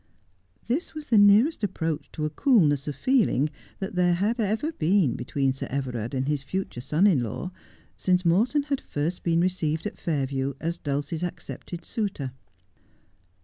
This was the nearest approach to a coolness of feeling that there had ever been between Sir Everard and his future son in law since Morton had first been received at Fairview as Dulcie's accepted suitor.